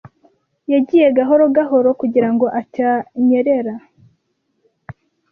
Yagiye gahoro gahoro kugirango atanyerera.